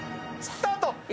スタート！